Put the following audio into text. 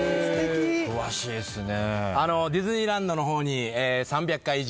詳しいですね。